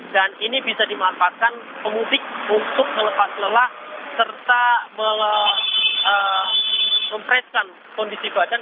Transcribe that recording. dan ini bisa dimanfaatkan pemutik untuk melepas lelah serta mempreskan kondisi badan